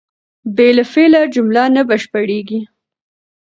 بې له فعله جمله نه بشپړېږي.